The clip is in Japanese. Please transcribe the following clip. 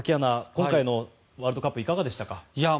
今回のワールドカップいかがでしたか？